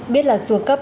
biết là xua cấp